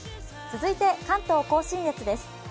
続いて関東甲信越です。